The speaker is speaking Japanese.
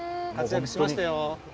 活躍しましたよ。